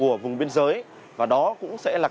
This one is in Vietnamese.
ở vùng biên giới và đó cũng sẽ là